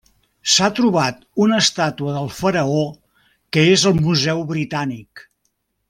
S'ha trobat una estàtua del faraó que és al Museu Britànic.